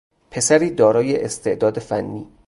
پسری دارای استعداد فنی